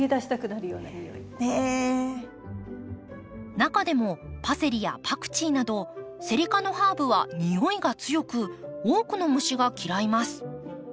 中でもパセリやパクチーなどセリ科のハーブは匂いが強く多くの虫が嫌います。